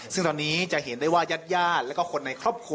ซึ่งตอนนี้จะเห็นได้ว่ายาดแล้วก็คนในครอบครัว